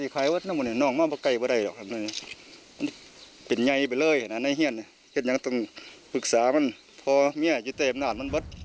ก็คือลูกชายมักจะทำร้ายตัวเองกับลูกสะพ้าย